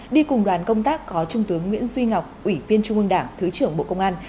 đi cùng đoàn công tác có trung tướng nguyễn duy ngọc ủy viên trung ương đảng thứ trưởng bộ công an